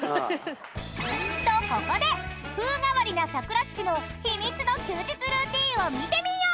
［とここで風変わりなサクラっちの秘密の休日ルーティンを見てみよう］